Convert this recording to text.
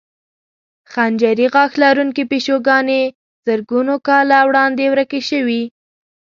خنجري غاښ لرونکې پیشوګانې زرګونو کاله وړاندې ورکې شوې.